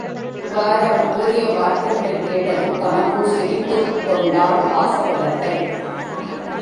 இவ்வாறு அவன் கூறிய வார்த்தைகளைக் கேட்டதும் தனக்குள் சிரித்துக் கொண்டாள் வாசவதத்தை.